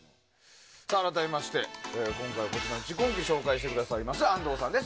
改めまして今回、こちらの蓄音機を紹介してくださいます安藤さんです。